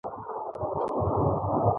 کروندګر له پټیو سره ځانګړی تړاو لري